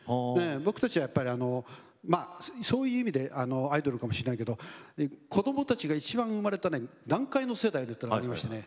僕たちはやっぱりそういう意味でアイドルかもしれないけど子どもたちがいちばん生まれたね団塊の世代なんていうのがありましてね